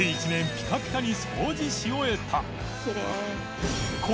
ピカピカに掃除し終えた磴